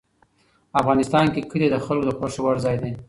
افغانستان کې کلي د خلکو د خوښې وړ ځای دی.